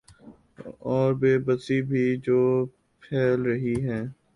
اوربے بسی بھی جو پھیل رہی ہیں۔